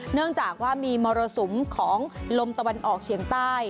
เนื่องจากว่ามีมรสุมของลมตะวันออกเฉียงใต้